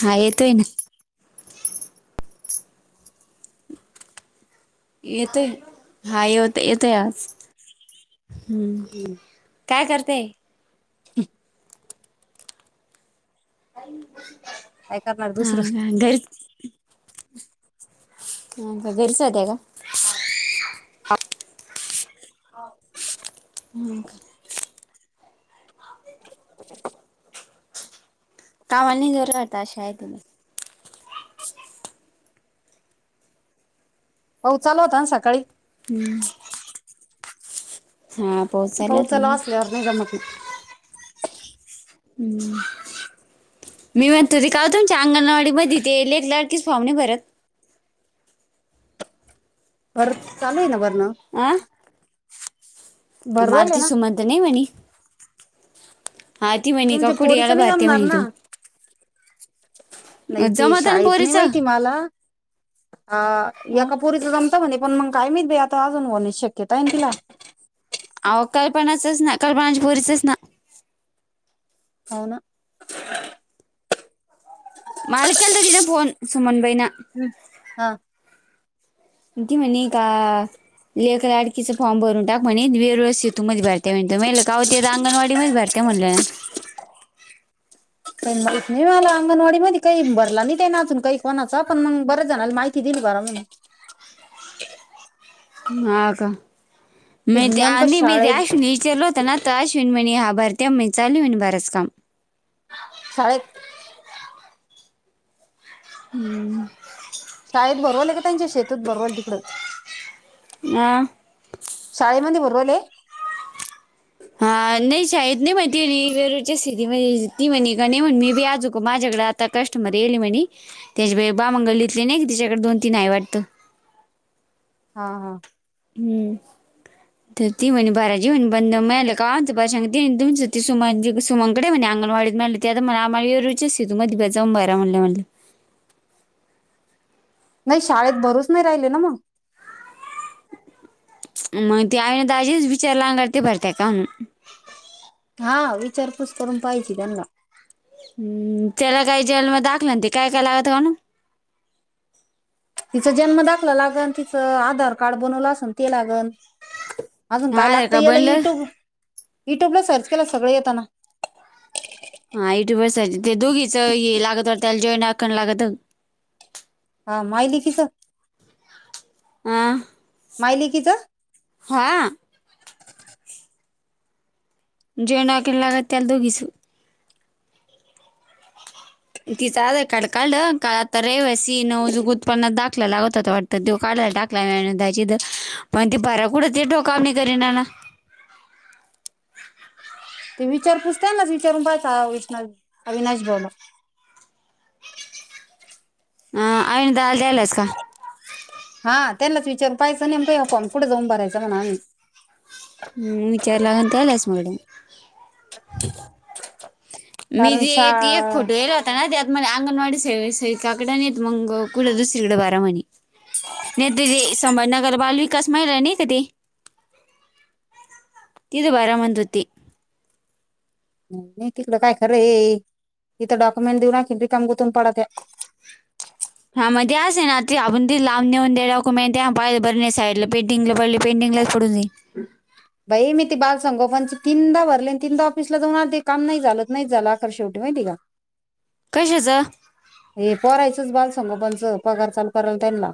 हा येतोय ना येतेय हा ये होता येत आज हम् काय करते हम का काय करणार दुसरं अग ह का बेलसद्या का ह का कामाां जो येता अशा आहे तुम हो चालू होता ना सकाळी हम्म हा पाऊस चालू होता पाऊचाला ना. असल्यावर नाही जमत हम्म मी म्हणतो ते का तुमच्या अंगणवाडी मध्ये तेले एक लडकीस फवणे भरत बर चालू आहे ना बरणं आं भरवल आहे मालतीी ना सुमत नाही म्हणेणी म्हणे का तुमच्या पोरीच कुडियाला नाही भरते जमणार म्हणे ना तू. नाही ते जमत ना शाळेत नाही पोरीचं. माहिती मला अ या हा. कपोरीत जमता म्हणे पण मग काय मच भ आता अजून होण्या शक्यता आहे ना तिला अ कल्पनाचंच ना कल्पनापुरीचच ना अना मालिक्याला तर दिना फोन सुमनबाई ना हम्म. हा कटी म्हणे का लेक लाडकीचं फॉर्म भरून टाक म्हणे वेरळस येतू ममध्ये भरय म्हण म का होते अंगणवाडी मध्ये भर ते म्हणले मा नाही मला अंगणवाडी मध्ये काही भरला नाही ते नाचून काही कोणाचा पण मग बऱ्याच जणाला माहिती दिली बरा हा का ती म आ नेमकं मी शाळेत त्याश नि चल होताना ताश विणमणी हा भारतीय म मि चाल विणभारस काम हळेत [unintelligible] हम्म शाळेत बरवल का त्यांच्या शेतत भरवाल तिकडच हं शाळेमध्ये बरवले हा नाही शाळद नाही म ती वेरच्या स्थती म्ह ती म्हणी का नाही म्ह मे बी आजू माझ्याकडे आता कस्टमर येले म्हणे त्याच्या बामंगल इतले नाही की तच्याकडे दोन तीन आई वाटतं हा हा हम्म तर ती म्हणे बाराजी म्हणे बंद मिळालं का ब सांग त तुम सु सुमांकडे म्हणे अंगणवाडी म्ह ते आता मला आमला रुच तू मध्ये्या जाऊन बाय म्हणलं म्हटलं नाही शाळेत भरूच नाही राहिले ना मग मग ते आवे ना त आजीच विचारला अते भरतेय का मग हा विचारपूस करून पाहिची त्यांग हम् त्याला काही जेल म दाखलं ते काय काय लागत म्हण तिचा जन्म दाखला लागन तिचं आधार कार्ड बनवलं असेन ते लागन अजून काय आधार लागतं कार्ड याला बनलं युट्यूब युट्यूबला सर्च केला सगळ येताना हा युट्युबर्स ते दोघीच हे लागत त्याला जॉईन आकण लागत हा माहिली किस हं मायले कीचा हा जेवन हकला लागत अल दुगसू तिचं आधार कार्ड काढलं का आता रेव्या सीन उजूग उत्पन्ना दाखय लागवत होता वाटत तर तो काढायला टाकलाय मिळ त्याची तर पण ती परा कुठंच ठोका म करीन ना ते विचार पुूजताय ना विचारून पाय अविनाश बोलला ह आईन द द्यायलाच का हा त्यांनाच विचार पाहायचं नाहीम का फॉन क पुढे जाऊन भरायचा म्हणा विचार लाून केलास मॅडम मी कारण जे येत एक शाळा फोटो गला होता त आ म अंगन नडी स स क काकडणी मंग कुड दुसरीकड बार मणी नेत ते संभ नगर बल वििकस महिला नाही क तेी ति बरा मंदुती नाही तिकं काय खरं ये तथं डॉक्युमेंट देऊनखेन रीिकांगुतून पडत हा म तेे असे ना ते आपण त लांब नेऊन दे डाकू मे पाहिलं बर नाही साईड पे पेिंग ल पले पेंंगलाात प पुडं भई मी ते बाल संगोपनचे तीनदा भरले तीनदा ऑफिसला जाऊन आध काम नाही झालं नाही चला अख शेवटी माहिती का कशच हे परायचंच बाल संघ पणच पगार चालू करायला त्यां ना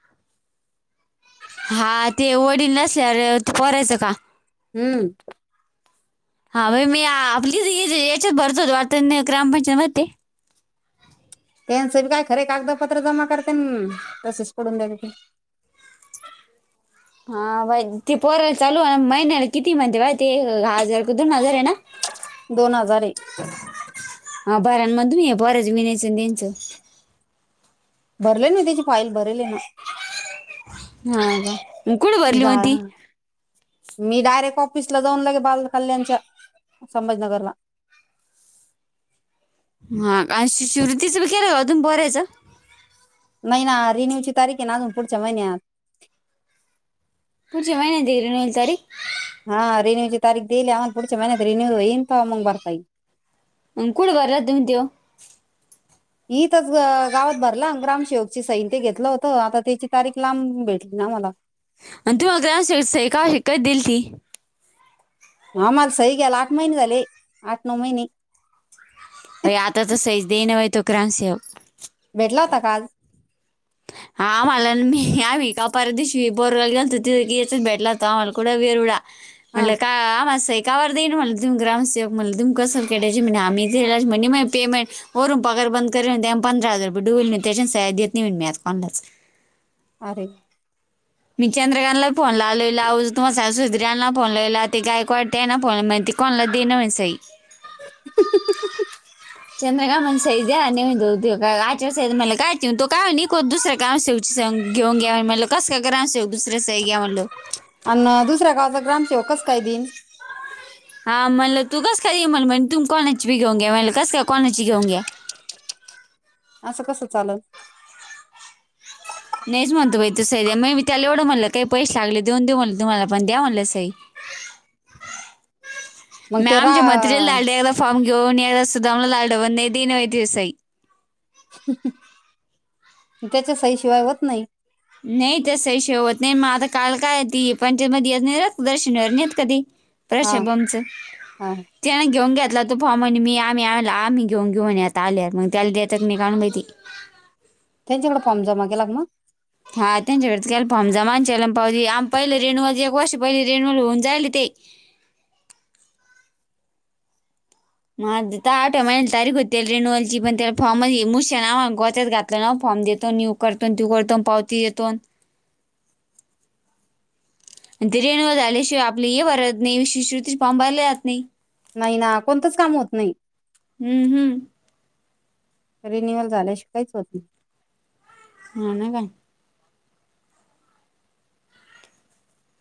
[unintelligible] हा ते वडील नसल्या ते परायचं का हम्म हा मी आपली याच्यात भरतो वात ग्रामपंचायत म त्यांची काय खरे कागदपत्र जमा करते तसेच सोडून द ते हा बा ते पोरायला चालू महिन्याला किती म्हणती बा ते हजार क दोन हजार आहे ना दोन हजार एक हा बऱांम तुम्ही आहे बरच विनयच त्यांचं भरले ना त्याची फाईल भरली ना हरे जा मी डायरेक्ट ऑफिसला जाऊन लागे बाल कल्याणच्या संभाजीनगरला हा आणि शिवतीच ब केलंय अजून बरायचं नाही ना रिन्यूची तारीख आहे ना अजून पुढच्या महिन्यात पुजे महि ना तरी नल तारीख हा रिन्यू ची तारीख देईली आन पुढच्या महिन्यात रिन्यव येनम मग बरताई अ कुड बर तु म देव ही तरच गावात भरला ग्रामसेवकची सैन ते घेतलं होतं आता त्याची तारीख लांब भेटली ना मला आणि तू अ ग्र काय शिकयत दिल ती आमला सही ग्याला आठ महिने झाले आठ नऊ महिने व आता तर सज देही नाहीय तोकराम स भेटला होता काल आम्हाला मी आम्ही का परदेशी बोरवाला गेलतोेत भेटला तो आम्हाला कुडं वेरवडा हा म्हणलं का मां कावर देई म्हला तुम ग्रमसेवक म्हणालं तु कसं काटयची म आम्हीलाच म्ह म पेमेंट वरून पगार बंद करे त्या पंधरा हजार रुय डुवेल म त्याच्या सय देत नाहीईन मी आज कोलाच अरे मी चंद्रकांला फो लावोहज तु्हा स ना पनलं ते गयक वाट आहेना प महि कोणला द दिन मसई [unintelligible] चंद्रग मण सय्या नेऊ द उ का मलाय तो कायत दुसऱ्या ग्रमेव सं घेऊन्यान मला कस का ग्रमशेव दुसर्या स आहे घ्या म्हणलं अ दुसऱ्या गावाचा ग्रामसेव कस काय दिन हा म्हणलं तू कस काय म्हण म्हणे तू कोणाची बीघेऊ घे म्हणलं कस काय कोणाची घेऊ घे असं कसं चालल. नहीच म्हणतो बई त्यो सई दया मी त्याला एवढं म्हटलं की पैसे आले देऊन देऊ म्हटल तुम्हाला पण द्या म्हटले सई मग ते मॅम रा जे मटरियल लाले [unintelligible] फारम घेऊन या सुधामला लाडव न द नव दिवसई. त्यांच्या सईशिवाय होत नाही. नाही त्या सही शिवाय होत नाय म आता काल काय ती पंचायत मध्ये येत नायरत दर्शनवर नत कधी हा प्रशभमच हा [inaudible] त्याने घेऊन घेतला तो फॉर्म म्हणे मी आमी आमी घेऊन घेऊ म्हणे आल्यात म त्याला देत्यात नी कायणु बाई ती त्यांच्याकड फॉर्म जमा केला मग हा त्याकडच केल फॉर्म जमा आणि चलन पावती आम पहिले रिन्युअल चे एक वर्ष पहिले रिन्युअल होऊन जायले ते म त तवा आठव्या महिन्याची तारीख होती रिन्युअलची पण ते फॉर्मचं हे मुशीन आम्हा गोत्यात घात घेतले ना फॉर्म देतो न्यु करतो तू करतो अनं पावती देतोनं आणि ते रिन्युअल झाल्याशिवाय आपले हे भरत नाही शिष्य वृत्ती चे फॉर्म भरले जात नाही. नाही ना कोणतंच काम होत नाही. हुं हूं रिन्युअल झाल्याशिवाय काहीच होत नाय हा ना काय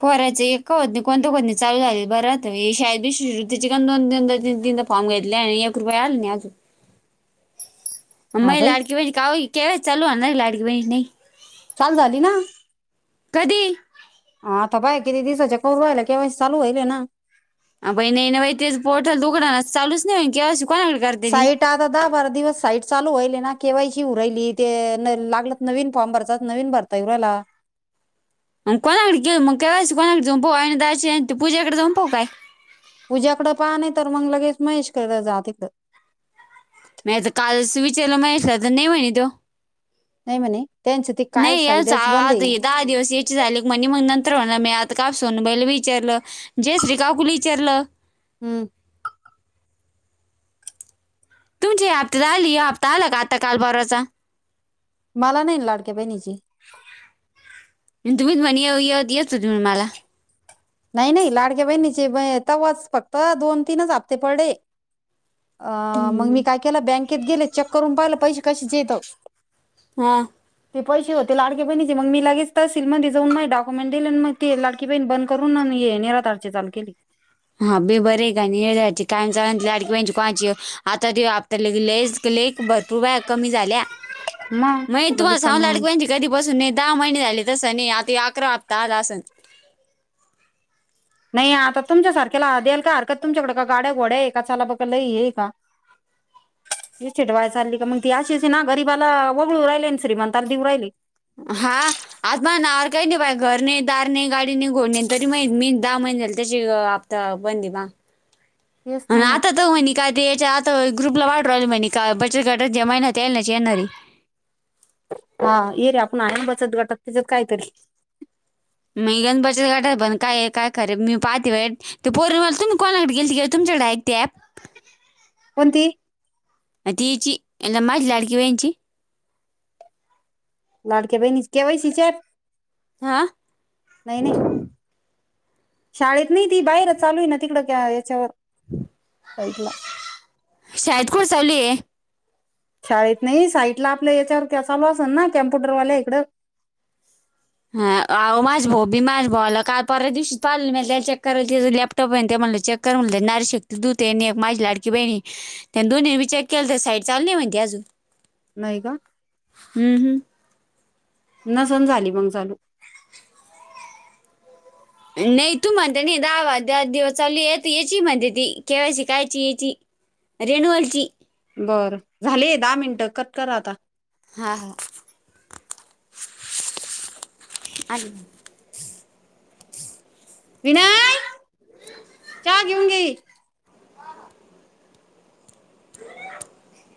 पोराचे एका का होत नाय कोणत्या कोणते चालू झालेत भरा हे शाळेत बी शिष्य वृत्ती का दोन दोन दा तीन तीन दा फॉर्म घेतल? ल्या आणि एक रुपये आले नाय अजून हा माई बाई लाडकी बहीण का ओ ही केवायसी चालू होणार लाडकी बहीण नय चालू झाली ना कधी ह आता पाय किती दिसाचे करू राहिला केवायसी चालू होईले ना अ बहीण नं बाई तेच पोट दुखणं चालूच नाय व्हय की अजून साईट आत आता दहा बारा दिवस साईट चालू व्हायले ना केवायसी होऊ राहिली ते लागत नवीन फॉर्म भरतात नवीन भर ता येऊ रायला अनं कोणाकडे के मंग केवाय सी कोणाकडे जाऊन पाहू आणि दाची आणि ती पूजेकडे जाऊन पाहू काय पूज्याकड पाहा नाही तर मंग लगेच महेश करत जा तिकड नाय त काल्स स्विचरला महेश ला तर नय म्हणे तो नाही म्हणे त्यांचं ते काय नाय आच साईडच बंद आहे आता हे दहा दिवसये ची झाली क म्हणी मग नंतर म्हणा मी आता का सोनबाईल विचारलं जयश्री काकूला विचारलं. हम्म तुमचे हे हप्तात आली हय हप्ता आला का आता काल परवाचा मला नही लाडक्या बहिणीचे अनं तुम्ही म्हणे ये य येत होते म्हणून मला नाय नाय लाडक्या बहिणीचे ब तवा च फक्त दोन तीनच हप्ते पडये. अ मंग हम्म. मी काय केलं बँकेत गेले चेक करून पाहिलं पैसे कशाचे हेत हां ते पैसे होते लाडक्या बहीणीचे मंग मी लगेच तर तहसीलमध्ये जाऊन माझे डाक्युमेंट दिले नं मग ते लाडकी बहीण बंद करून आन हे निराधार चे चालू केले. हा बी बर आहे का नी हे येड्यांची कायम चाग लाडकी बहिची कोणाची आता त्यो हप्ता लग लयेचं लेक भरपूर वेळा कमी झाल्या मग मये कुठं तुम्हाला सांगू रिकाम लडकी बहीणची कधी पासून नय दहा महिने झाले तसं नाही आता ह्यो अकरावा हप्ता आला असन नाही आता तुमच्यासारख्याला द्यायला काय हरकत तुमच्याकड का गाड्या घोड्या आहे का चला बघा लई हे हाय का? [unintelligible] ये चिडवायला चालली का मंग ती अशी ये ना गरिबाला वगळू राहिले नं श्रीमंताला देऊ राहिले. हा आज माया नावावर काय नाही बाई घर नाही दार नाही गाडी नाही घोड नाही तरी माहि मी दहा महिने झाले तसे हप् प्ता बंद ये माआ तेच ना अनं मग आता त म्हणी काय ते याच्या आता ग्रुपला वाटू राहिले म्हणे का बचत गटात च्या महिला त्यानाच येणार ये. हा ये रे आपण आहे बचत गटात त्याज्यात काय तरी मी कऊन बचत गटात पण काय काय खरे मी पाहते बाई ते पोरी मला तुम्ही कोणाकडे गेलती गे तमच्या डाक्ट ते ॲप कोणती तीची एला माझला आडकी वेनचची लाडके बहिणी के वैसचे हा नाही नाही शाळेत नाही ती बाहेरच चालू आहे ना तिकड का याच्यावरला शईड कोडसवली शाळेत नाही साईट ला आपल्या याच्यावर कसाल असल ना कम्प्युटरवाल्या इकडं हा माझ भाऊ बी माझ्या भावा आला काल पर दिवशी पाहि मचेरा लॅप त पण ते म्हणलं च क्क कर म्ह नारी शकते दूते एक माझी लाडकी बहिणी त्यां दोन्ही विचार केला तर साईड चालली म्हणती अजून नाही का हम्म हम् न सण झाली मग चालू नाही तू म्हणते नाही दहा दहा दिवस चालू येत याची म्हणते ती केवायसी कायची याची रेणुवलची बरं झाले दहा मिनटं कट करा आता हां हां ह विनय च घेऊन गे ह